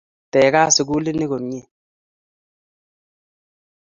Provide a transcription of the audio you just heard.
Tegat sukulit ni komnye